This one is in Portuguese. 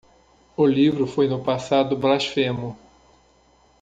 O livro foi no passado blasfemo.